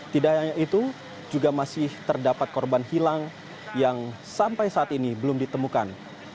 tidak hanya itu juga masih terdapat korban hilang yang sampai saat ini belum ditemukan